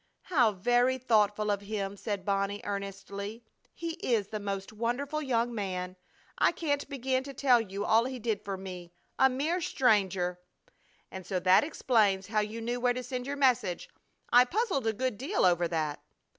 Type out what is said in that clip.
"How very thoughtful of him!" said Bonnie, earnestly. "He is the most wonderful young man! I can't begin to tell you all he did for me, a mere stranger! And so that explains how you knew where to send your message. I puzzled a good deal over that."